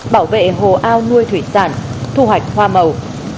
bảo vệ hồ ao nuôi thủy sản thu hoạch hoa màu